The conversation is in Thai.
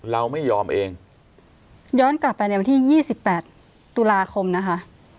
เราไม่ยอมเองย้อนกลับไปในวันที่๒๘ตุลาคมนะคะ